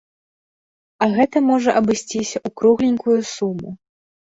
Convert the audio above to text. А гэта можа абысціся ў кругленькую суму.